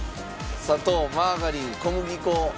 砂糖マーガリン小麦粉。